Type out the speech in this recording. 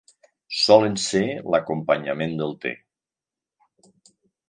Solen ser l'acompanyament del te.